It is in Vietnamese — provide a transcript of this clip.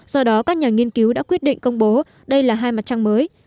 do đó các nhà nghiên cứu đã quyết định công bố đây là hai mặt trăng mới